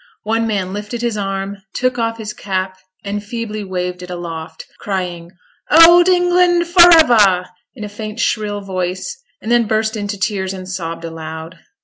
One man lifted his arm, took off his cap, and feebly waved it aloft, crying, 'Old England for ever!' in a faint shrill voice, and then burst into tears and sobbed aloud.